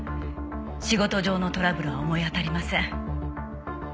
仕事上のトラブルは思い当たりません。